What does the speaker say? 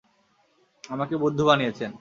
আমাকে বুদ্ধু বানিয়েছেন।